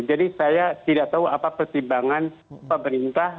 jadi saya tidak tahu apa pertimbangan pemerintah